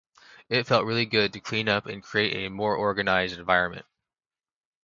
It felt really good to clean up and create a more organized environment.